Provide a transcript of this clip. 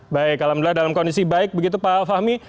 baik alhamdulillah dalam kondisi baik begitu pak fahmi